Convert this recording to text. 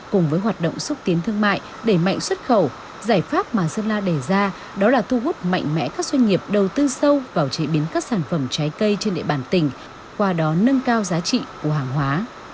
cùng với hoạt động xúc tiến thương mại đẩy mạnh xuất khẩu giải pháp mà sơn la đề ra đó là thu hút mạnh mẽ các doanh nghiệp đầu tư sâu vào chế biến các sản phẩm trái cây trên địa bàn tỉnh qua đó nâng cao giá trị của hàng hóa